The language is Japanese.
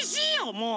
もう！